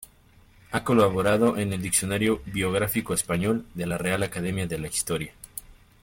Ha colaborado en el "Diccionario biográfico español" de la Real Academia de la Historia.